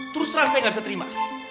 terus terang saya gak bisa terima